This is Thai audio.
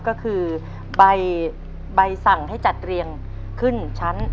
ก็คือใบสั่งให้จัดเรียงขึ้นชั้น